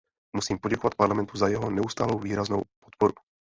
Musím poděkovat Parlamentu za jeho neustálou výraznou podporu.